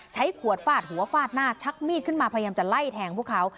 ใช้ขวดฟาดหัวฟาดหน้าชักมีดขึ้นมาพยายามจะไล่แทงพวกเขา